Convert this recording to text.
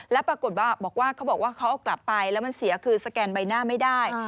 แล้วปรากฏว่าเขาเอากลับไปแล้วมันเสียคือสแกนใบหน้าไม่ได้